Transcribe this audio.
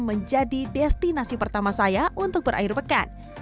menjadi destinasi pertama saya untuk berakhir pekan